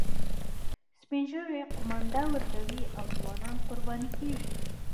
سپین ږیري قومانده ورکوي او ځوانان قرباني کیږي